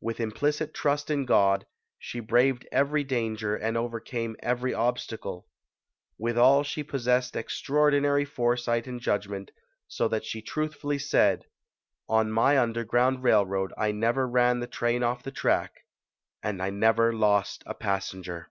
With implicit trust in God, she braved every danger and overcame every obstacle; withal she possessed extraordinary foresight and judgment, so that she truthfully said, "On my underground railroad I never ran my train off the track and I never lost a passenger."